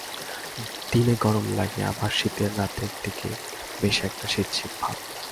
দিনে গরম লাগে, আবার রাতের দিকে বেশ একটা শীত শীত ভাব।